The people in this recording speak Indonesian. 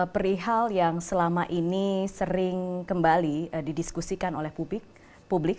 perihal yang selama ini sering kembali didiskusikan oleh publik